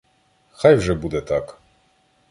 - Хай вже буде так.